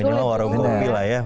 ini mau warung kopi lah ya